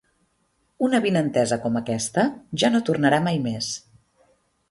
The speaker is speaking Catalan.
Una avinentesa com aquesta ja no tornarà mai més.